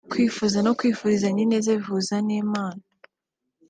kwifuza no kwifurizanya ineza bihuza n’Imana